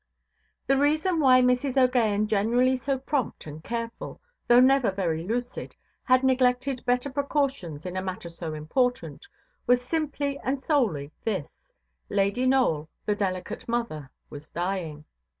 The reason why Mrs. OʼGaghan, generally so prompt and careful, though never very lucid, had neglected better precautions in a matter so important, was simply and solely this—Lady Nowell, the delicate mother, was dying.